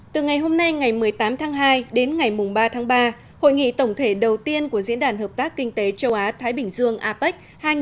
từ ngày hôm nay ngày một mươi tám tháng hai đến ngày ba tháng ba hội nghị tổng thể đầu tiên của diễn đàn hợp tác kinh tế châu á thái bình dương apec hai nghìn hai mươi